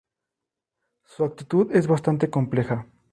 Su actitud es bastante compleja.